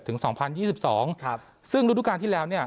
สองพันยี่สิบสองครับซึ่งฤดูการที่แล้วเนี่ย